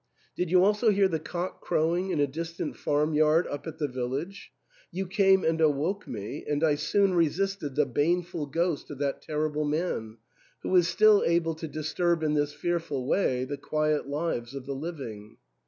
Did you also hear the cock crowing in a distant farm yard up at the village ? You came and awoke me, and I soon resisted the baneful ghost of that terrible man, who is still able to disturb in this fearful way the quiet lives of the living."